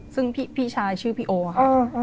ซึ่งพี่ชายชื่อพี่โอค่ะ